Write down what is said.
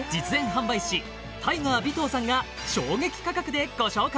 販売士タイガー尾藤さんが衝撃価格でご紹介！